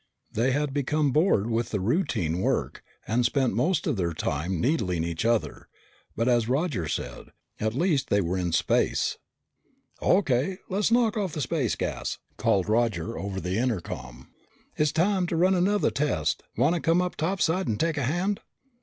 They had become bored with the routine work and spent most of their time needling each other, but as Roger said, at least they were in space. "O.K., let's knock off the space gas!" called Roger over the intercom. "It's time to run another test. Want to come up topside and take a hand?"